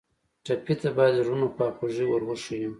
ټپي ته باید د زړونو خواخوږي ور وښیو.